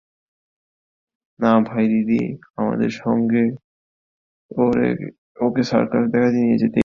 না ভাই দিদি, আমাদের সঙ্গে করে ওঁকে সার্কাস দেখাতে নিয়ে যেতেই হবে।